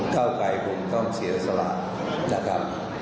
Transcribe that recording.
เก้าไกรคงต้องเสียสละนะครับ